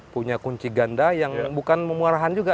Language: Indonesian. punya kunci ganda yang bukan memurahan juga